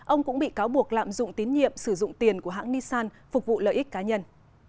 ông cũng bị cáo buộc lạm dụng tín nhiệm sử dụng tiền của hãng nissan phục vụ lợi ích cá nhân